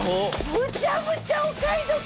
むちゃむちゃお買い得！